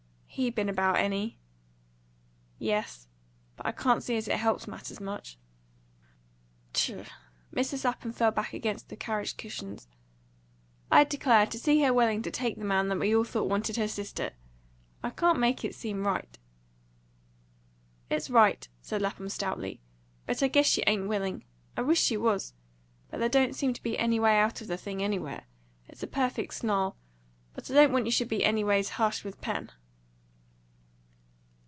"He been about any?" "Yes. But I can't see as it helps matters much." "Tchk!" Mrs. Lapham fell back against the carriage cushions. "I declare, to see her willing to take the man that we all thought wanted her sister! I can't make it seem right." "It's right," said Lapham stoutly; "but I guess she ain't willing; I wish she was. But there don't seem to be any way out of the thing, anywhere. It's a perfect snarl. But I don't want you should be anyways ha'sh with Pen."